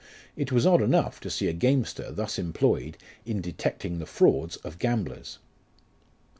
It was odd enough to see a gamester thus employed in detecting the frauds of gamblers.